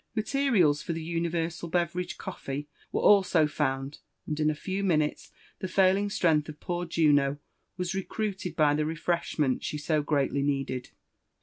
Materials for the universal beverage, coffee, were also found, and in a few minutes the failing strength of poor Juno was recruited by the refreshment she so greatly needed.